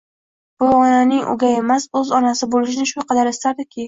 Bu onaning o'gay emas, o'z onasi bo'lishini shu qadar istardiki...